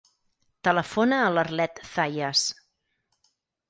Telefona a l'Arlet Zayas.